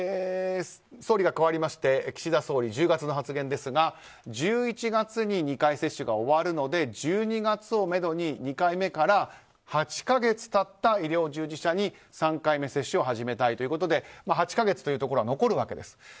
総理が変わりまして、岸田総理１０月の発言ですが１１月に２回接種が終わるので１２月をめどに２回目から８か月経った医療従事者に３回目接種を始めたいということで８か月というところは残るわけです。